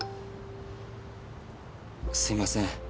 「すみません。